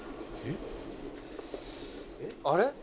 「あれ？